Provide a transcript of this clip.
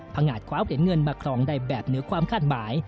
งาดคว้าเหรียญเงินมาครองได้แบบเหนือความคาดหมาย